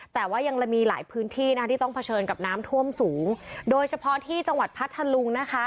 แต่ว่ายังมีหลายพื้นที่นะคะที่ต้องเผชิญกับน้ำท่วมสูงโดยเฉพาะที่จังหวัดพัทธลุงนะคะ